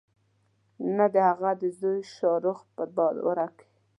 نه د هغه د زوی شاه رخ په دربار کې.